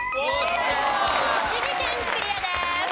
栃木県クリアです。